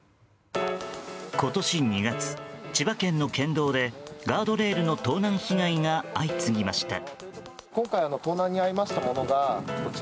今年２月、千葉県の県道でガードレールの盗難被害が相次ぎました。